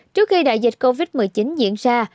trước khi đại dịch covid một mươi chín diễn ra